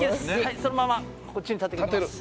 そのままこっちに立てかけます。